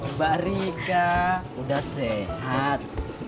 mbak rika udah sehat